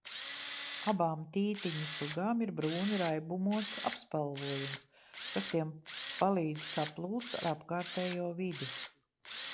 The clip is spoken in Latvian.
Abām tītiņu sugām ir brūni raibumots apspalvojums, kas tiem palīdz saplūst ar apkārtējo vidi.